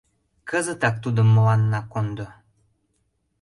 Кызытак тудым мыланна кондо!